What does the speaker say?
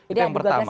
itu yang pertama